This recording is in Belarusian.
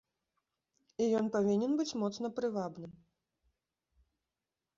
І ён павінен быць моцна прывабным.